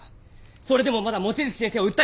それでもまだ望月先生を訴えますか？